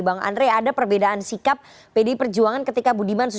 bang andre ada perbedaan sikap pdi perjuangan ketika budiman